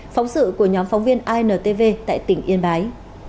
phóng sự của nhóm phóng viên intv tại tỉnh yên bái